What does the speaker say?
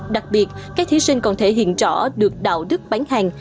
đặc biệt các thí sinh còn thể hiện rõ được đạo đức bán hàng